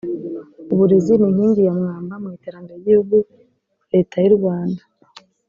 uburezi ni inkingi ya mwamba mu iterambere ry igihugu leta y urwanda